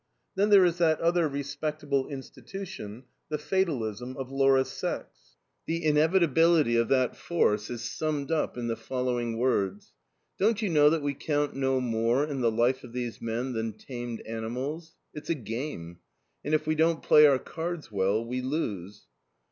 Then there is that other respectable institution, the fatalism of Laura's sex. The inevitability of that force is summed up in the following words: "Don't you know that we count no more in the life of these men than tamed animals? It's a game, and if we don't play our cards well, we lose."